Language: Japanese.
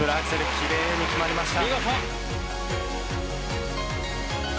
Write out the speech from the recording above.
きれいに決まりました。